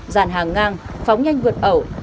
dàn hàng ngang phóng nhanh vượt ẩu